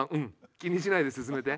気にしないで進めて。